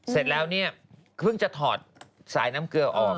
เสร็จแล้วเนี่ยเพิ่งจะถอดสายน้ำเกลือออก